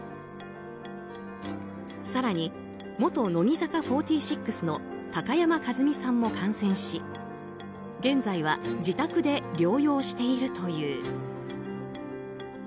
更に元乃木坂４６の高山一実さんも感染し現在は自宅で療養しているという。